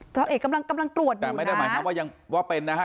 เอกกำลังกำลังตรวจนะแต่ไม่ได้หมายความว่ายังว่าเป็นนะฮะ